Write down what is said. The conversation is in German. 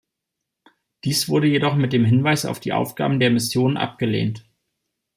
Dies wurde jedoch mit dem Hinweis auf die Aufgaben der Mission abgelehnt.